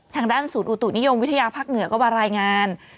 ทางด้านศูนย์อุตุนิยมวิทยาภาคเหนือก็มารายงาน